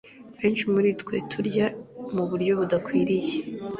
benshi muri twe turya mu buryo budakwiriye.